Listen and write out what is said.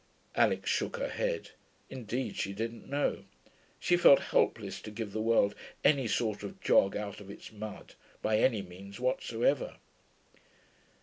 Alix shook her head. Indeed, she didn't know. She felt helpless to give the world any sort of jog out of its mud, by any means whatsoever.